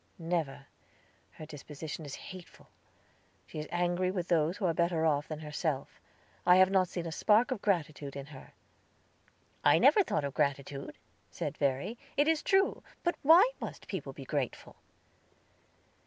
"Never; her disposition is hateful. She is angry with those who are better off than herself. I have not seen a spark of gratitude in her." "I never thought of gratitude," said Verry, "it is true; but why must people be grateful?"